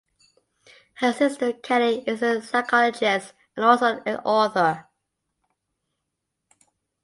Her sister Kelly is a psychologist and also an author.